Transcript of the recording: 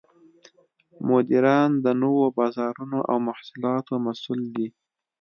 مدیران د نوو بازارونو او محصولاتو مسوول دي.